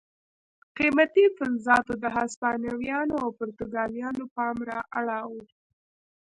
قیمتي فلزاتو د هسپانویانو او پرتګالیانو پام را اړاوه.